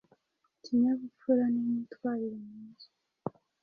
ikinyabupfura n’imyitwarire myiza.